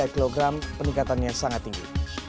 tiga kg peningkatannya sangat tinggi